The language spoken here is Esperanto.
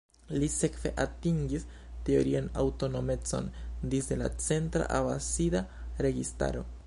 Li sekve atingis teorian aŭtonomecon disde la centra Abasida registaro.